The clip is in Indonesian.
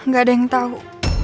gak ada yang tau